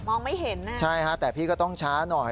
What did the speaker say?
ไม่เห็นนะใช่ฮะแต่พี่ก็ต้องช้าหน่อย